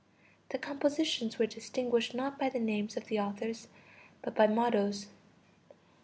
(The compositions were distinguished not by the names of the authors, but by mottoes.)